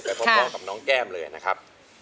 พร้อมกับน้องแก้มเลยนะครับ